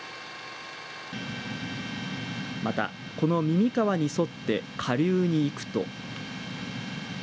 また、この耳川に沿って下流に行くと。